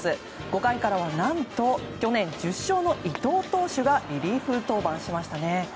５回からは何と去年、１０勝の伊藤投手がリリーフ登板しましたね。